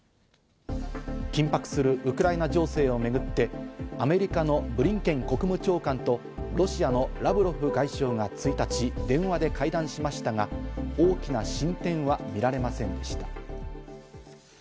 緊迫するウクライナ情勢をめぐってアメリカのブリンケン国務長官とロシアのラブロフ外相が１日、電話で会談しましたが、大きな進展は見られませんでした。